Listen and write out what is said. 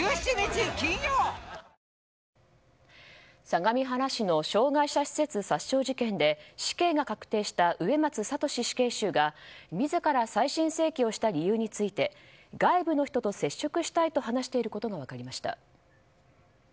相模原市の障害者施設殺傷事件で死刑が確定した植松聖死刑囚が自ら再審請求をした理由について外部の人と接触したいと話していることが分かりました。